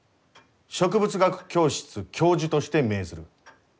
植物学教室教授として命ずる。